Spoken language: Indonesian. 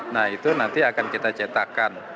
nah itu nanti akan kita cetakan